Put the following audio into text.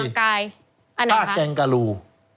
อันไหนคะนี่แบบฟะถ้าเกงกาลู